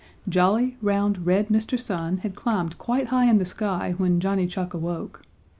Jolly, round, red Mr. Sun had climbed quite high in the sky when Johnny Chuck awoke.